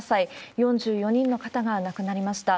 ４４人の方が亡くなりました。